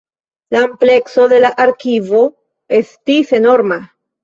La amplekso de la arkivo estis enorma.